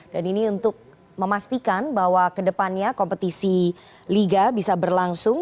dan ini untuk memastikan bahwa ke depannya kompetisi liga bisa berlangsung